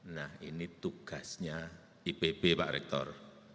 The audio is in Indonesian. nah ini tugasnya ipb pak rektor